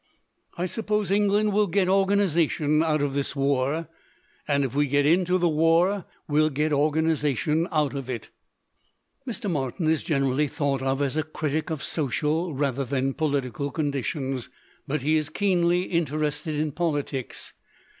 "I suppose England will get organization out of this war. And if we get into the war, well get organization out of it." Mr. Martin is generally thought of as a critic of social rather than political conditions. But he is keenly interested in politics.